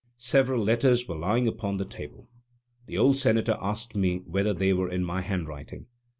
Several letters were lying upon the table. The old Senator asked me whether they were in my handwriting.